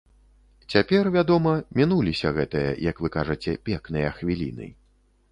Цяпер, вядома, мінуліся гэтыя, як вы кажаце, пекныя хвіліны.